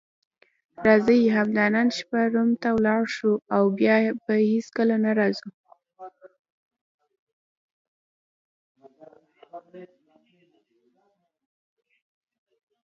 راځئ همدا نن شپه روم ته ولاړ شو او بیا به هیڅکله نه راځو.